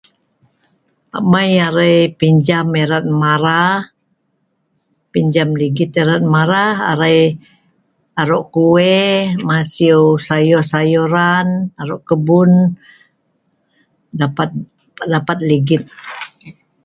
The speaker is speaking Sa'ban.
Amai arai pinjam erat mara, pinjam ligit erat mara, arai arok ku'e, masiu sayur sayuran, arok kebun, dapat ligit